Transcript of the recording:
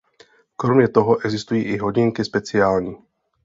Kromě toho existují i hodinky speciální.